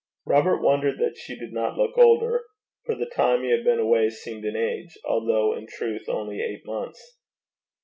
Robert wondered that she did not look older; for the time he had been away seemed an age, although in truth only eight months.